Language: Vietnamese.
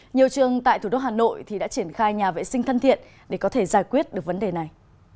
nhiều trường tại thủ đô hà nội đã triển khai nhà vệ sinh thân thiện để có thể giải quyết được vấn đề này